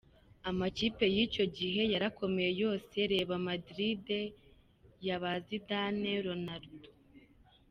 Amakipe y’icyo gihe yarakomeye yose, reba Madrid yaba Zidane, Ronaldo,.